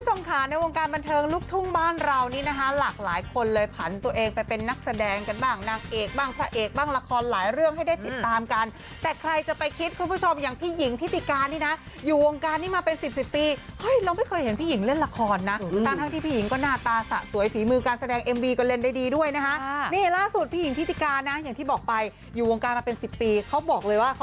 ผู้ชมขาในวงการบันเทิงลูกทุ่งบ้านเรานี่นะคะหลากหลายคนเลยผันตัวเองไปเป็นนักแสดงกันบ้างนักเอกบ้างพระเอกบ้างละครหลายเรื่องให้ได้ติดตามกันแต่ใครจะไปคิดคุณผู้ชมอย่างพี่หญิงที่ติกานี่นะอยู่วงการนี้มาเป็นสิบสิบปีเฮ้ยเราไม่เคยเห็นพี่หญิงเล่นละครนะตั้งทั้งที่พี่หญิงก็หน้าตาสะสวยฝีมือการแสดงเอ็มวีก็เล